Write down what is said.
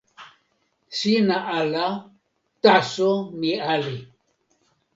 sina ala, taso mi ali.